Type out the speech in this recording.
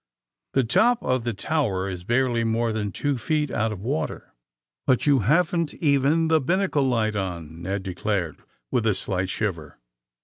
The top of the tower is barely more than two feet out of water. '^ *^But you haven't even the binnacle light on,'* Ned declared, with a slight shiver.